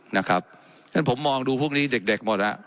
นะครับฉะนั้นผมมองดูพวกนี้เด็กเด็กหมดล่ะ